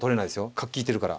角利いてるから。